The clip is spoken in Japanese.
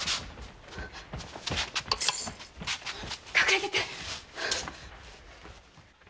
隠れてて！